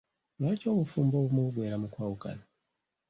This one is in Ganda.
Lwaki obufumbo obumu buggwera mu kwawukana?